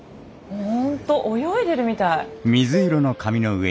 ホント泳いでるみたい。